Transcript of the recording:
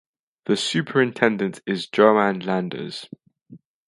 The superintendent is Joan Landers.